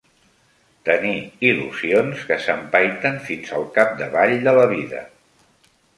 Tenir il·lusions que s'empaiten fins al cap-d'avall de la vida